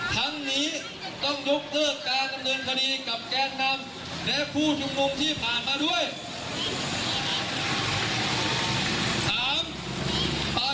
ทั้งนี้ต้องยกเลิกการดำเนินคดีกับแกนนำและผู้ชุมนุมที่ผ่านมาด้วย